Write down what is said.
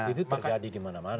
itu terjadi gimana mana